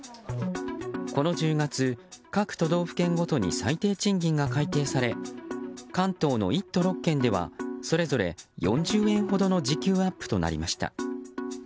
この１０月、各都道府県ごとに最低賃金が改定され関東の１都６県ではそれぞれ４０円ほどの時給アップとなりました。